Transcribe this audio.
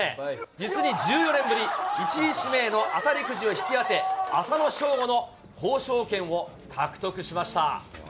実に１４年ぶり、１位指名の当たりくじを引き当て、浅野翔吾の交渉権を獲得しました。